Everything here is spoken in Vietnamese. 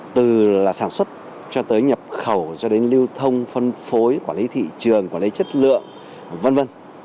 từ sản xuất cho tới nhập khẩu cho đến lưu thông phân phối quản lý thị trường quản lý chất lượng v v